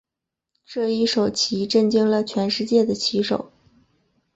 这一手棋震惊了全世界的棋手。